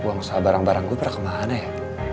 buang usaha barang barang gue pernah kemana ya